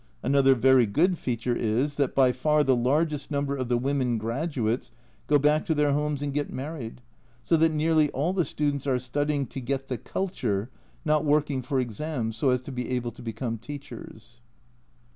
Another very good feature is, that by far the largest number of the women graduates go back to their homes and get married, so that nearly all the students are studying to get the culture, not working for exams. , so as to be able to become teachers.